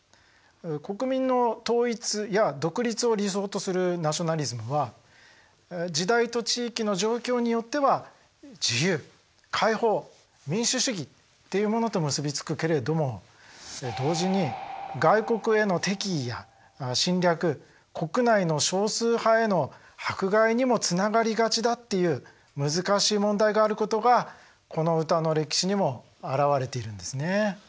国民の統一や独立を理想とするナショナリズムは時代と地域の状況によっては自由解放民主主義っていうものと結びつくけれども同時に外国への敵意や侵略国内の少数派への迫害にもつながりがちだっていう難しい問題があることがこの歌の歴史にもあらわれているんですね。